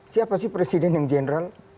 siapa sih presiden yang general